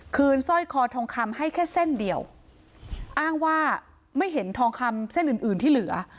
สร้อยคอทองคำให้แค่เส้นเดียวอ้างว่าไม่เห็นทองคำเส้นอื่นอื่นที่เหลือ